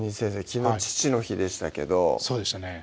昨日父の日でしたけどそうでしたね